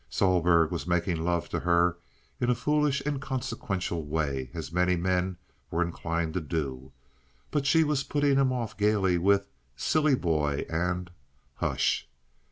Sohlberg was making love to her in a foolish, inconsequential way, as many men were inclined to do; but she was putting him off gaily with "silly boy" and "hush."